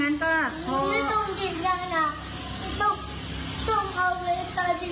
ไม่ต้องเอาเล็กาลีมาหยวดตาก